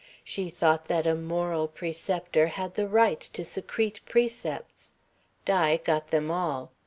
She thought that a moral preceptor had the right to secrete precepts. Di got them all.